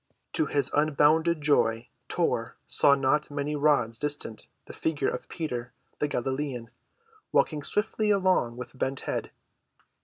To his unbounded joy, Tor saw not many rods distant the figure of Peter, the Galilean, walking swiftly along with bent head.